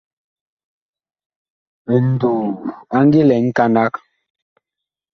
Nduu a ngi lɛ nkanag.